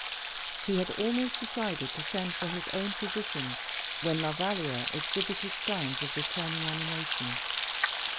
He had almost decided to send for his own physician, when La Valliere exhibited signs of returning animation.